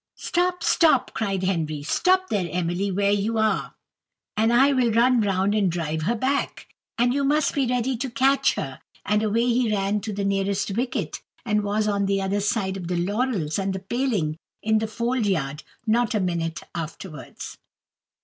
"Stop! stop!" cried Henry, "stop there, Emily, where you are; and I will run round and drive her back; and you must be ready to catch her." And away he ran to the nearest wicket, and was on the other side of the laurels and the paling, in the fold yard, not a minute afterwards.